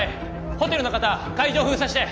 ホテルの方会場を封鎖して。